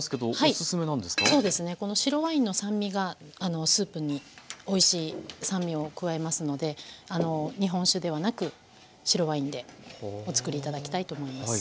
この白ワインの酸味がスープにおいしい酸味を加えますので日本酒ではなく白ワインでお作り頂きたいと思います。